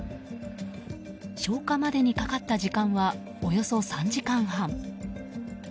消火までにかかった時間はおよそ３時間半。